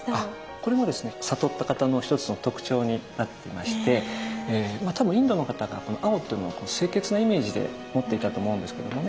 これもですね悟った方の一つの特徴になってまして多分インドの方がこの青というのを清潔なイメージで持っていたと思うんですけどもね。